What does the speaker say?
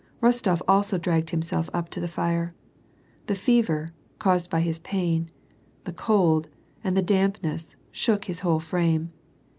Rostof also dragged himself up to the fire. The fever, caused by his pain, the cold, and the dampness, shook his whole frame.